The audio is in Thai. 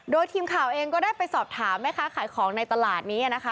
โดยทีมข่าวเองก็ได้ไปสอบถามแม่ค้าขายของในตลาดนี้นะคะ